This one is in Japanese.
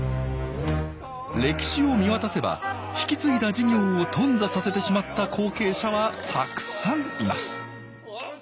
歴史を見渡せば引き継いだ事業を頓挫させてしまった後継者はたくさんいます。